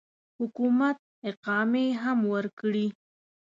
حکومت اقامې هم ورکړي.